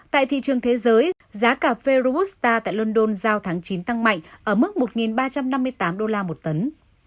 tại thị trường thế giới giá cà phê robusta tại london giao tháng chín tăng mạnh ở mức một ba trăm năm mươi tám đô la một tấn